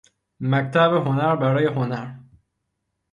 مکتب هنر برای هنر